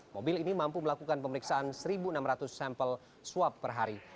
mobil ini mampu melakukan pemeriksaan satu enam ratus sampel swab per hari